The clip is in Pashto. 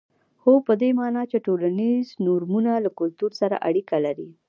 هو په دې معنا چې ټولنیز نورمونه له کلتور سره اړیکه لري.